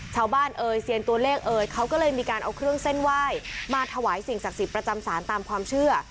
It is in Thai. เอ่ยเซียนตัวเลขเอ่ยเขาก็เลยมีการเอาเครื่องเส้นไหว้มาถวายสิ่งศักดิ์สิทธิ์ประจำศาลตามความเชื่อ